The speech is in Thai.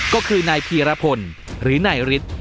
ก็คือนายพีรพลหรือนายฤทธิ์